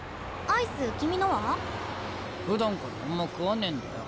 アイス君のは？ふだんからあんま食わねえんだよ